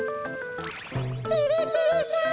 てれてれさん！